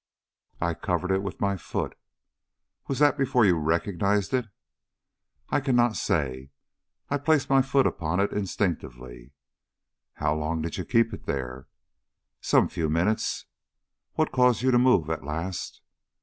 "I covered it with my foot." "Was that before you recognized it?" "I cannot say. I placed my foot upon it instinctively." "How long did you keep it there?" "Some few minutes." "What caused you to move at last?"